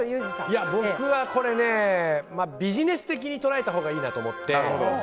僕はビジネス的に捉えたほうがいいなと思って。